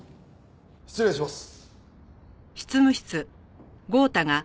失礼します。